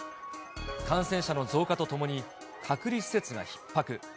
感染者の増加とともに、隔離施設がひっ迫。